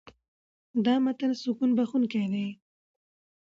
دا متن سکون بښونکی دی.